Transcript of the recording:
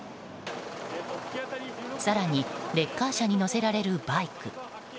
更に、レッカー車に載せられるバイク。